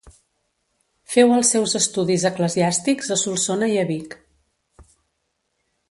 Feu els seus estudis eclesiàstics a Solsona i a Vic.